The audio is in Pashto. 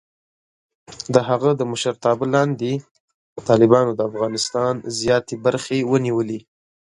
د هغه د مشرتابه لاندې، طالبانو د افغانستان زیاتې برخې ونیولې.